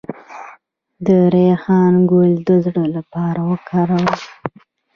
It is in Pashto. د ریحان ګل د زړه لپاره وکاروئ